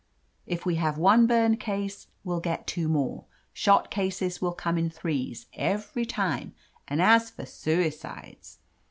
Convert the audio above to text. If we have one burned case, we'll get two more. Shot cases will come in threes every time, and as for suicides!